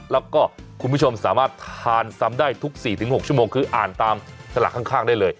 แล้วก็คุณผู้ชมสามารถทานซ้ำได้ทุก๔๖ชั่วโมงคืออ่านตามสลักข้างได้เลย